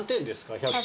１００点。